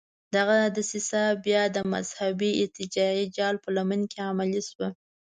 دغه دسیسه بیا د مذهبي ارتجاعي جال په لمن کې عملي شوه.